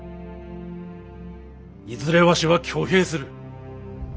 いずれわしは挙兵する。